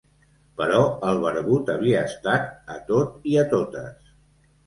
Però el barbut havia estat a tot i a totes.